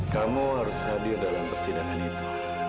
kamu harus hadir dalam persidangan itu